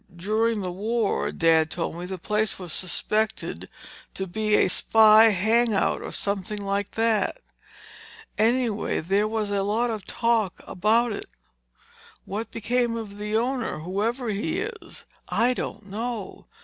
During the war, Dad told me, the place was suspected to be a spy hang out or something like that. Anyway, there was a lot of talk about it. What became of the owner, whoever he is, I don't know.